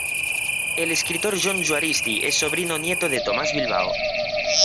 El escritor Jon Juaristi es sobrino nieto de Tomás Bilbao.